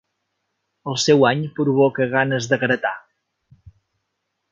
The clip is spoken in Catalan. El seu any provoca ganes de gratar.